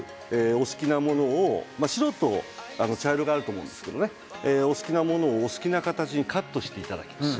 お好きなものを白と茶色があると思うんですがお好きなものを、お好きな形にカットしていただきます。